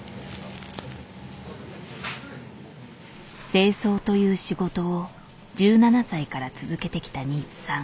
清掃という仕事を１７歳から続けてきた新津さん。